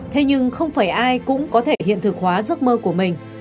thế nhưng không phải ai cũng có thể hiện thực hóa giấc mơ của mình